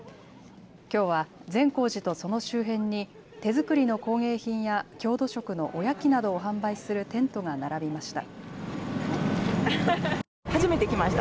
きょうは善光寺とその周辺に手作りの工芸品や郷土食のおやきなどを販売するテントが並びました。